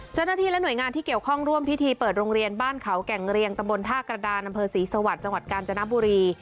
เจ้าหน้าที่และหน่วยงานที่เกี่ยวข้องร่วมพิธีเปิดโรงเรียนบ้านเขาแก่งเรียงตะบนท่ากระดานอำเภอศรีสวรรค์จังหวัดกาญจนบุรี